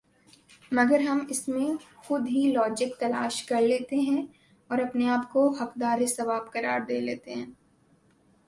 مگر ہم اس میں سے خود ہی لاجک تلاش کرلیتےہیں اور اپنے آپ کو حقدار ثواب قرار دے لیتےہیں